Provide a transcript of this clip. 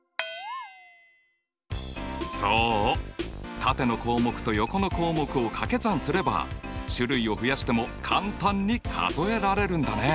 縦の項目と横の項目を掛け算すれば種類を増やしても簡単に数えられるんだね。